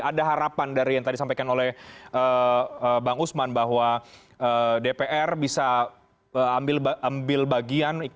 ada harapan dari yang tadi disampaikan oleh bang usman bahwa dpr bisa ambil bagian